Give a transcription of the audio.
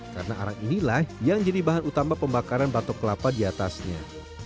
karena arang inilah yang jadi bahan utama pembakaran batok kelapa di atasnya